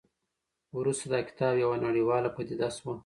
وروسته دا کتاب یوه نړیواله پدیده شوه.